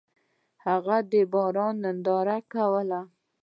هغه د باران ننداره کوله.